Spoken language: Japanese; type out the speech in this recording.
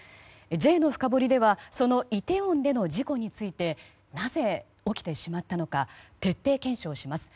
Ｊのフカボリではそのイテウォンでの事故についてなぜ、起きてしまったのか徹底検証します。